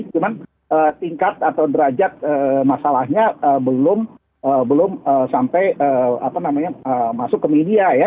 cuman tingkat atau derajat masalahnya belum sampai masuk ke media ya